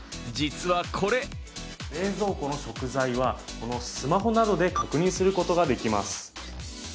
実はこれ冷蔵庫の食材はこのスマホなどで確認することができます。